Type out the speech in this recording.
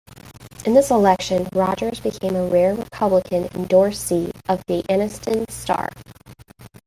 In this election, Rogers became a rare Republican endorsee of "The Anniston Star".